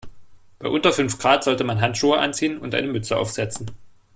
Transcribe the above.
Bei unter fünf Grad sollte man Handschuhe anziehen und eine Mütze aufsetzen.